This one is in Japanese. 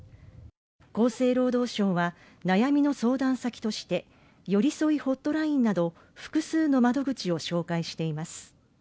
厚生労働省は悩みの相談先としてよりそいホットラインなど複数の窓口を紹介しています。